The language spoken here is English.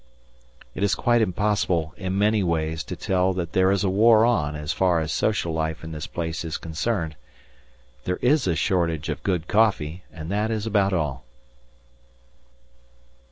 It is quite impossible in many ways to tell that there is a war on as far as social life in this place is concerned. There is a shortage of good coffee and that is about all.